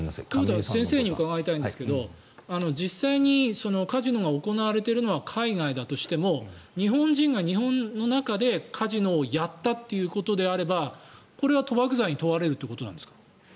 先生に伺いたいんですけど実際にカジノが行われているのは海外だとしても日本人が日本の中でカジノをやったということであればこれは賭博罪に問われるということなんですか？